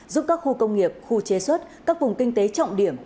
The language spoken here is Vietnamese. giúp các khu công nghiệp khu chế xuất các vùng kinh tế trọng điểm